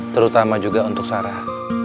terutama juga untuk sarah